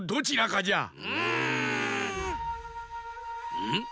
うん？